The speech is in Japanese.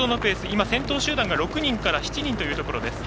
今、先頭集団が６人から７人というところ。